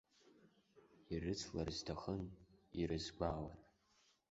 Ирыцлар зҭахым ирызгәаауан.